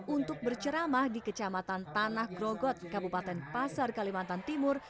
untuk berceramah di kecamatan tanah grogot kabupaten pasar kalimantan timur